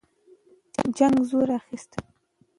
جنګ زور اخیسته.